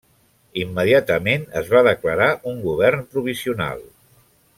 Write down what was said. Immediatament es va declarar un govern provisional.